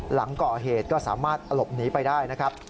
หลังก่อเหตุก็สามารถหลบหนีไปได้นะครับ